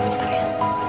aku akut pak nino